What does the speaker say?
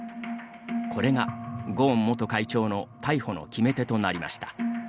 これがゴーン元会長の逮捕の決め手となりました。